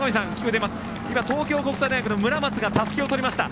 東京国際大学の村松がたすきを取りました。